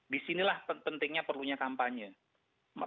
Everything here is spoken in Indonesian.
di sinilah pentingnya perlunya kampanye